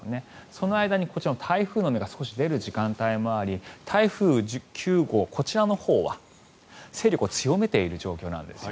その間にこちらの台風の目が少し出る時間帯もあり台風９号、こちらのほうは勢力を強めている状況なんです。